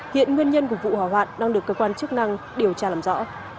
hiện nguyên nhân của vụ hỏa hoạn đang được cơ quan chức năng điều tra làm rõ